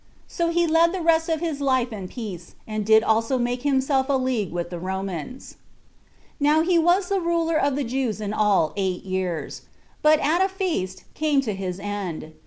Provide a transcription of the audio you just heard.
So he led the rest of his life in peace, and did also himself make a league with the Romans. 4. Now he was the ruler of the Jews in all eight years; but at a feast came to his end.